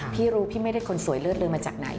พี่รู้พี่ไม่ได้คนสวยเลือดลืมมาจากไหน